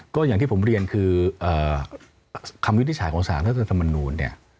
ก็อย่างที่ผมเรียนคือคำวินิจฉัยของสารรัฐธรรมนูลเนี่ย